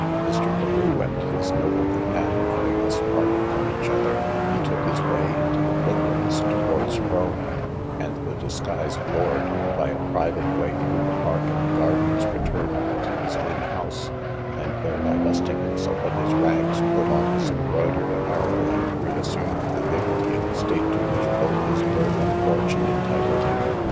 Mr. Carew and his noble companion having thus parted from each other, he took his way into the woodlands towards Frome; and the disguised lord, by a private way through the park and gardens, returned to his own house, and there, divesting himself of his rags, put on his embroidered apparel, and re assumed the dignity and state to which both his birth and fortune entitled him.